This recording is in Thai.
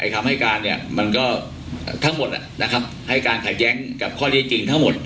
คำให้การเนี่ยมันก็ทั้งหมดนะครับให้การขัดแย้งกับข้อที่จริงทั้งหมด